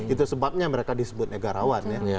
itu sebabnya mereka disebut negarawan ya